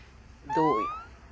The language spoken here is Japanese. どうよ？